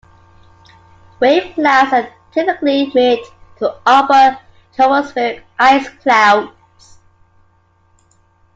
Wave clouds are typically mid- to upper-tropospheric ice clouds.